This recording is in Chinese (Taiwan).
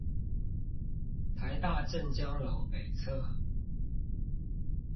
臺大鄭江樓北側